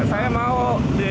dia tuh dia tuh ditilang